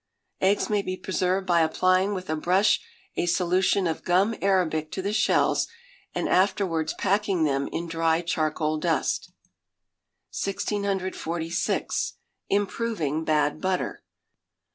Eggs may be preserved by applying with a brush a solution of gum arabic to the shells, and afterwards packing them in dry charcoal dust. 1646. Improving Bad Butter.